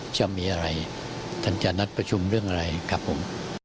จะมีอะไรท่านจะนัดประชุมเรื่องอะไรครับผม